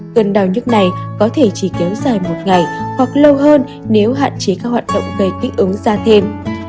cơn đau nhất này có thể chỉ kéo dài một ngày hoặc lâu hơn nếu hạn chế các hoạt động gây kích ứng da thêm